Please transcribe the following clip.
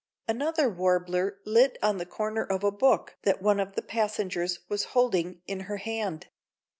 Another warbler lit on the corner of a book that one of the passengers was holding in her hand.